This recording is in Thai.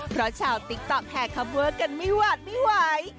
เพราะชาวติ๊กต๊อกแห่คอปเวอร์กันไม่หวาดไม่ไหว